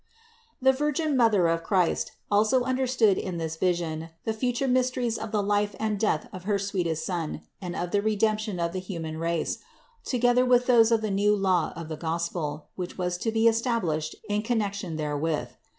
151. The Virgin Mother of Christ also understood in this. vision the future mysteries of the life and death of her sweetest Son and of the Redemption of the human race, together with those of the new law of the Gospel, which was to be established in connection therewith.